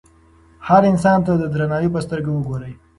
هر انسان ته د درناوي په سترګه وګورئ.